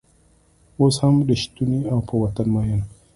اوس هم رشتونی او په وطن مین